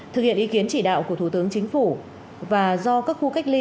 thực hiện ý kiến chỉ đạo của thủ tướng chính phủ và do các khu cách ly